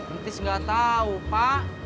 intis nggak tahu pak